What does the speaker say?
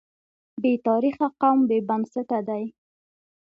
بې تاریخه قوم بې بنسټه دی.